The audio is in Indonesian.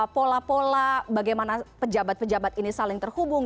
pola pola bagaimana pejabat pejabat ini saling terhubung